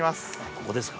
ここですか。